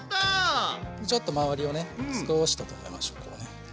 ちょっと周りをね少し整えましょうこうね。